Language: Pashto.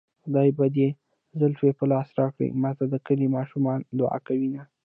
خدای به دې زلفې په لاس راکړي ماته د کلي ماشومان دوعا کوينه